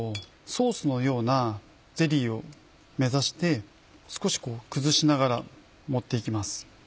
ソースのようなゼリーを目指して少し崩しながら盛って行きます。